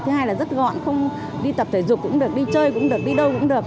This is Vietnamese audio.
thứ hai là rất gọn không đi tập thể dục cũng được đi chơi cũng được đi đâu cũng được